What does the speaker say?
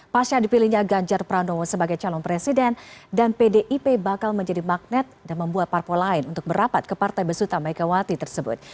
pasca dipilihnya ganjar pranowo sebagai calon presiden dan pdip bakal menjadi magnet dan membuat parpol lain untuk merapat ke partai besuta megawati tersebut